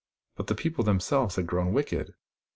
But the people them selves had grown wicked.